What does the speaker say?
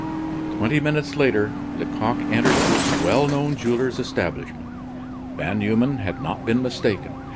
Twenty minutes later Lecoq entered this well known jeweler's establishment. Van Numen had not been mistaken.